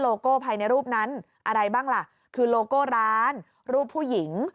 โก้ภายในรูปนั้นอะไรบ้างล่ะคือโลโก้ร้านรูปผู้หญิง